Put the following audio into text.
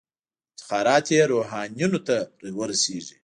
افتخارات یې روحانیونو ته ورسیږي.